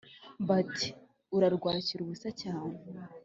Bati: "Urarwakira ubusa cyane,